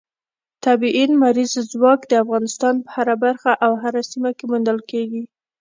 طبیعي لمریز ځواک د افغانستان په هره برخه او هره سیمه کې موندل کېږي.